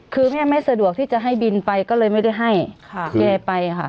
คือแม่ไม่สะดวกที่จะให้บินไปก็เลยไม่ได้ให้ค่ะแกไปค่ะ